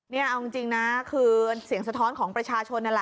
นี่เอาจริงนะคือเสียงสะท้อนของประชาชนนั่นแหละ